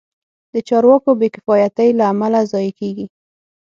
د چارواکو بې کفایتۍ له امله ضایع کېږي.